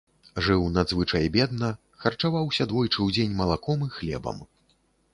Жыў надзвычай бедна, харчаваўся двойчы ў дзень малаком і хлебам.